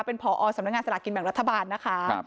เป็นผอสำนักงานสลากกินแบ่งรัฐบาลนะคะ